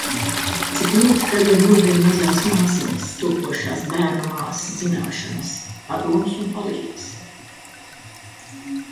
Cik ļoti tagad noder mazās māsiņas, topošās bērnu māsas zināšanas, padoms un palīgs.